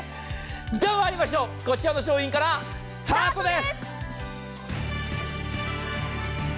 では、まいりましょう、こちらの商品からスタートです。